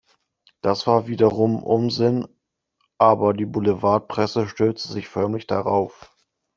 Das war wiederum Unsinn, aber die Boulevardpresse stürzte sich förmlich darauf.